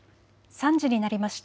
３時になりました。